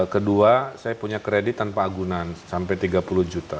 kedua saya punya kredit tanpa agunan sampai tiga puluh juta